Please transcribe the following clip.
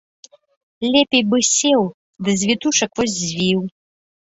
Лепей бы сеў ды з вітушак вось звіў.